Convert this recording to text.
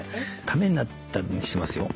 「ためになった」にしてますよ。